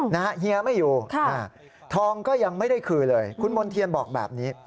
เฮียไม่อยู่ทองก็ยังไม่ได้คืนเลยคุณมณ์เทียนบอกแบบนี้